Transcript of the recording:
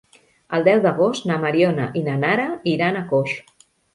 El deu d'agost na Mariona i na Nara iran a Coix.